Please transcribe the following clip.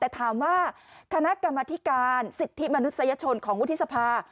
แต่ถามว่าคณะกรรมธิการสิทธิมนุษยชนของวุฒิสภา